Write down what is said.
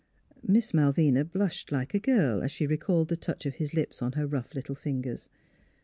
Miss Malvina blushed like a girl as she recalled the touch of his lips on her rough little fingers.